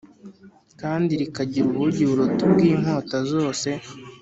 Kandi rikagira ubugi buruta ubw inkota zose